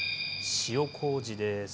塩こうじです。